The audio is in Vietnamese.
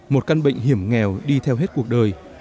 một căn bệnh hiểm nghèo đi theo hết cuộc đời